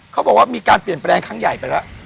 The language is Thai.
เขาบอกว่ามีการเปลี่ยนแปลงครั้งใหญ่ไปแล้ว